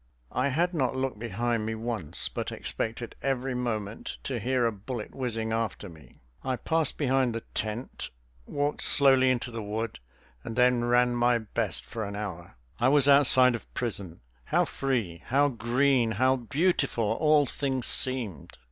I had not looked behind me once, but expected every moment to hear a bullet whizzing after me. I passed behind the tent, walked slowly into the wood, and then ran my best for an hour. I was outside of prison. How free, how green, how beautiful all things seemed!